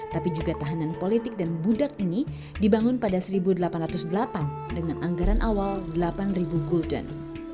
tapi juga tahanan politik dan budak ini dibangun pada seribu delapan ratus delapan dengan anggaran awal delapan ribu gulden